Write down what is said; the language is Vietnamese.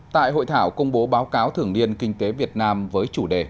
tại hội thảo công bố báo cáo thưởng liên kinh tế việt nam với chủ đề